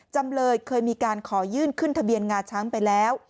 จำเลยเคยมีการขอยื่นขึ้นทะเบียนงาช้างไปแล้ว